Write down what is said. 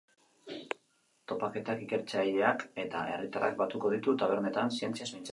Topaketak ikertzaileak eta herritarrak batuko ditu tabernetan, zientziaz mintzatzeko.